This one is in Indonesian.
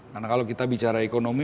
karena kalau kita bicara ekonomi